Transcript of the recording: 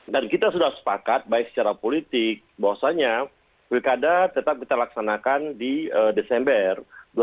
dan kita sudah sepakat baik secara politik bahwasannya pilkada tetap kita laksanakan di desember dua ribu dua puluh